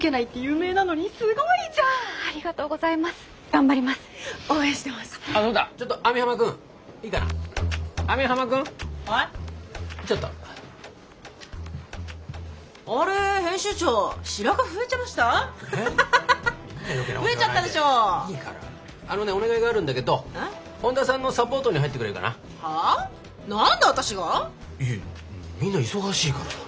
いやみんな忙しいからさ。